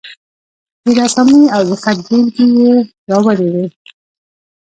د رسامي او د خط بیلګې یې راوړې وې.